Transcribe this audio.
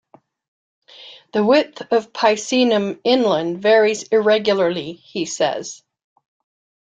The width of Picenum inland varies irregularly, he says.